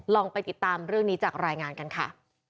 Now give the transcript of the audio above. ไปติดตามเรื่องนี้จากรายงานกันค่ะ